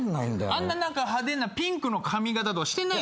あんな派手なピンクの髪形とかしてないでしょ。